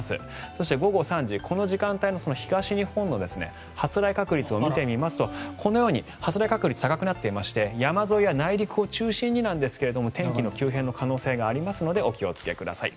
そして午後３時、この時間帯の東日本の発雷確率を見てみますとこのように発雷確率は高くなっていまして山沿いや内陸を中心にですが天気の急変の可能性がありますのでお気をつけください。